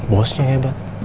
bosnya yang hebat